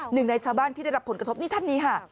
หนึ่งในชาวบ้านที่ได้รับผลกระทบนี่ท่านนี้ค่ะ